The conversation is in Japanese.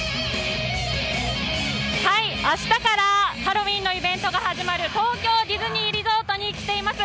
明日から、ハロウィーンのイベントが始まる東京ディズニーリゾートに来ています。